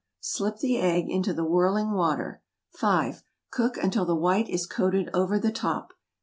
Slip the egg into the whirling water. 5. Cook until the white is coated over the top.